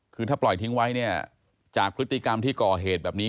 คือถ้าปล่อยทิ้งไว้เนี่ยจากพฤติกรรมที่ก่อเหตุแบบนี้